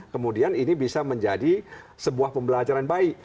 kemudian ini bisa menjadi sebuah pembelajaran baik